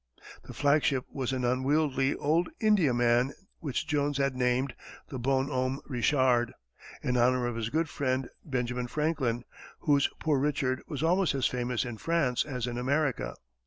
The flagship was an unwieldy old Indiaman which Jones had named the Bon Homme Richard, in honor of his good friend, Benjamin Franklin, whose Poor Richard was almost as famous in France as in America.